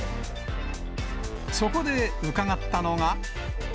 そこで伺ったのが。